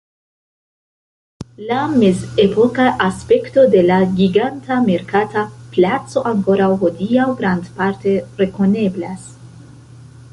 La mezepoka aspekto de la giganta merkata placo ankoraŭ hodiaŭ grandparte rekoneblas.